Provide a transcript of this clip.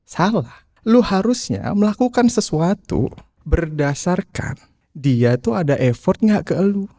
salah lu harusnya melakukan sesuatu berdasarkan dia tuh ada effort nggak ke lu